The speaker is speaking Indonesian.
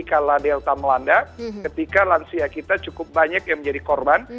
kala delta melanda ketika lansia kita cukup banyak yang menjadi korban